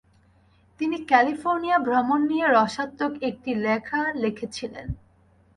তিনি ক্যালিফোর্নিয়া ভ্রমণ নিয়ে রসাত্মক একটি লেখা লিখেছিলেন।